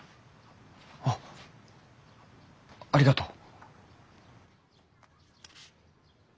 あっありがとう。